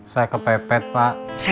saya kepepet pak